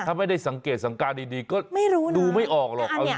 ถ้าไม่ได้สังเกตสังการดีก็ดูไม่ออกหรอก